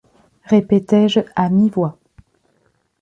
répétais-je à mi-voix.